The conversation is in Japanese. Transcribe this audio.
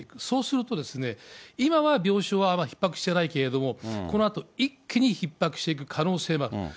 そうすると、今は病床はひっ迫してないけれども、このあと一気にひっ迫していく可能性もある。